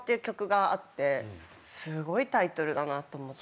すごいタイトルだなと思って。